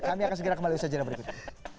kami akan segera kembali bersajaran berikutnya